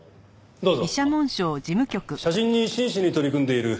どうぞ。